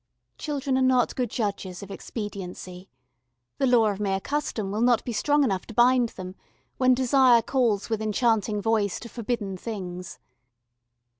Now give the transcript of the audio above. Children are not good judges of expediency. The law of mere custom will not be strong enough to bind them when desire calls with enchanting voice to forbidden things.